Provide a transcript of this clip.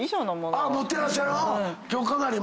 持ってらっしゃる。